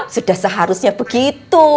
sudah seharusnya begitu